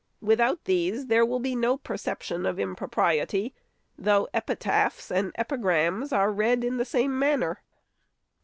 Without these, there will be no perception of impropriety, though epitaphs and epigrams are read in the same manner.